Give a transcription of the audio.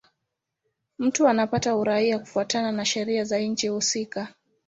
Mtu anapata uraia kufuatana na sheria za nchi husika.